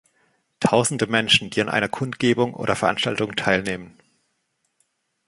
Tausende Menschen, die an einer Kundgebung oder Veranstaltung teilnehmen.